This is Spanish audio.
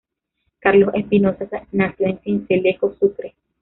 Carlos Espinosa nació en Sincelejo, Sucre.